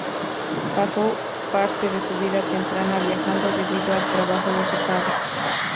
Pasó parte de su vida temprana viajando debido al trabajo de su padre.